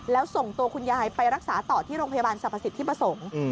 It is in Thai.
แล้วส่งตัวคุณยายไปรักษาต่อที่โรงพยาบาลสรรพสิทธิประสงค์